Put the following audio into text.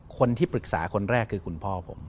คนที่ปรึกษาคนแรกคือคุณพ่อผม